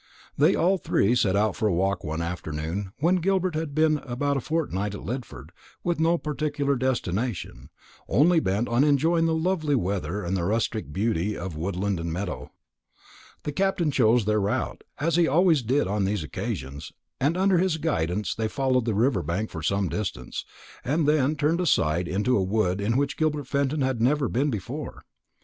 They all three set out for a walk one afternoon, when Gilbert had been about a fortnight at Lidford, with no particular destination, only bent on enjoying the lovely weather and the rustic beauty of woodland and meadow. The Captain chose their route, as he always did on these occasions, and under his guidance they followed the river bank for some distance, and then turned aside into a wood in which Gilbert Fenton had never been before.